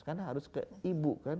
karena harus ke ibu kan